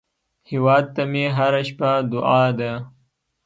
هیواد ته مې هره شپه دعا ده